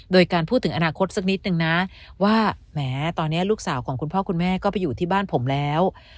โดยการพูดถึงอนาคตสักนิดนึงนะว่าแหมตอนนี้ลูกสาวของคุณพ่อคุณแม่ก็ไปอยู่ที่บ้านผมแล้ว